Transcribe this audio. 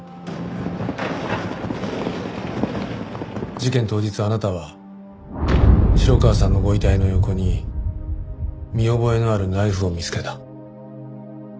事件当日あなたは城川さんのご遺体の横に見覚えのあるナイフを見つけた。